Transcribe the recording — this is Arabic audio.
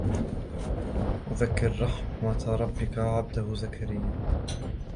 ذِكْرُ رَحْمَتِ رَبِّكَ عَبْدَهُ زَكَرِيَّا